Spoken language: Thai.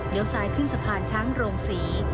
เดี๋ยวซ้ายขึ้นสะพานช้างโรงศรี